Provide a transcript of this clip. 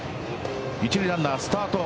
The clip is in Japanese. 一塁ランナースタート。